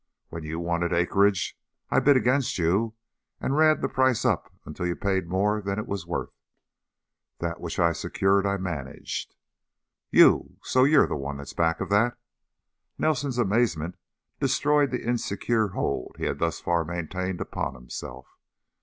When you wanted acreage, I bid against you and ran the price up until you paid more than it was worth. That which I secured I managed " "You! So you're the one back of that!" Nelson's amazement destroyed the insecure hold he had thus far maintained upon himself.